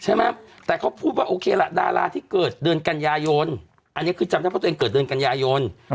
ใช่ไหมแต่เขาพูดว่าโอเคละดาราที่เกิดเดือนกันยายนอันนี้คือจำได้เพราะตัวเองเกิดเดือนกันยายน